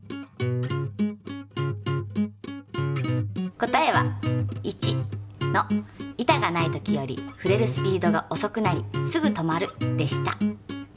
答えは１の「板がない時より振れるスピードが遅くなりすぐ止まる」でした。